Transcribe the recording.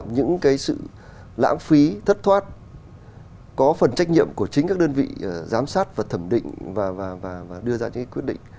những cái sự lãng phí thất thoát có phần trách nhiệm của chính các đơn vị giám sát và thẩm định và đưa ra những quyết định